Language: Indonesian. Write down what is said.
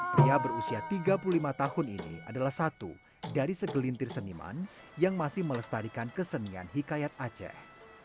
pria berusia tiga puluh lima tahun ini adalah satu dari segelintir seniman yang masih melestarikan kesenian hikayat aceh